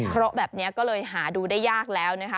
เพราะแบบนี้ก็เลยหาดูได้ยากแล้วนะคะ